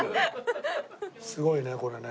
すごいねこれね。